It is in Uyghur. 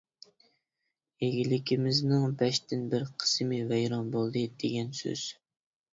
ئىگىلىكىمىزنىڭ بەشتىن بىر قىسمى ۋەيران بولدى، دېگەن سۆز.